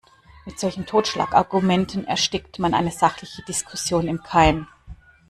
Mit solchen Totschlagargumenten erstickt man eine sachliche Diskussion im Keim.